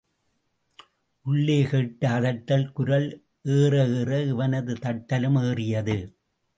உள்ளே கேட்ட அதட்டல் குரல் ஏற ஏற இவனது தட்டலும் ஏறியது.